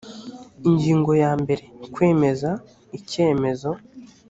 ingingo ya mbere: kwemeza icyemezo